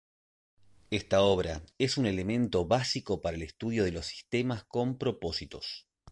Esta obra es un elemento básico para el estudio de los sistemas con propósitos.